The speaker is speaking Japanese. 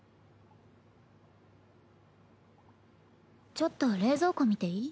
ちょっと冷蔵庫見ていい？